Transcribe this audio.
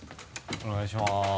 お願いします。